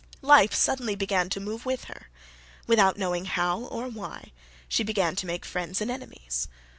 Life suddenly began to move with her. Without knowing how or why, she began to make friends and enemies.